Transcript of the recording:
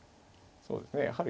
そうですねはい。